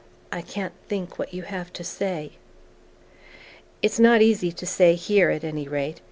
"I can't think what you can have to say." "It's not easy to say here, at any rate.